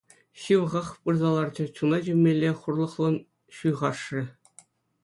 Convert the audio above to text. Ҫывӑхах пырса ларчӗ, чуна тивмелле хурлӑхлӑн ҫуйхашрӗ.